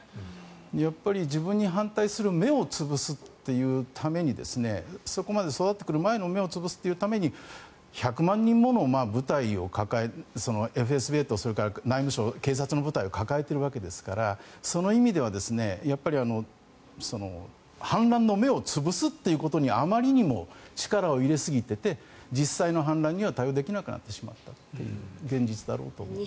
やっぱり自分に反対する芽を潰すためにそこまで育ってくる前の芽を潰すために１００万人もの部隊をＦＳＢと内務省、警察の部隊を抱えているわけですからその意味では反乱の芽を潰すことにあまりにも力を入れすぎていて実際の反乱には対応できなくなってしまったという現実だろうと思います。